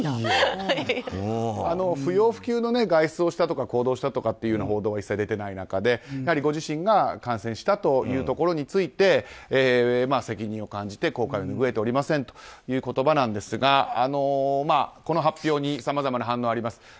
不要不急の外出をしたとか行動をしたとか報道は一切出てない中でご自身が感染したというところについて責任を感じて後悔を拭えておりませんという言葉ですがこの発表にさまざまな反応あります。